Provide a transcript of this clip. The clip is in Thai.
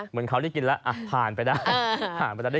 เหมือนเขาได้กินแล้วผ่านไปได้